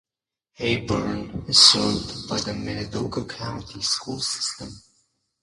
Heyburn is served by the Minidoka County Schools system.